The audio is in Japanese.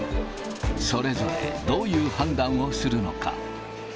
それぞれどういう判断をするのか。